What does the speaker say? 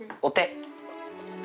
お手。